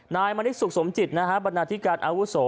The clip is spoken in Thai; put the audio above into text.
นายมณีสุขสมจิตบันดาลทิการอาวุโส